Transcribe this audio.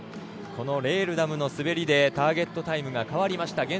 このレールダムの滑りでターゲットタイムが変わりました。